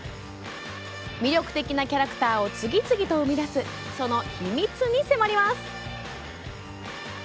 魅力的なキャラクターを次々と生み出すその秘密に迫ります。